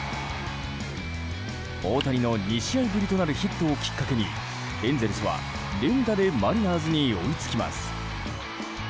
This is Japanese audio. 大谷の２試合ぶりとなるヒットをきっかけにエンゼルスは連打でマリナーズに追いつきます。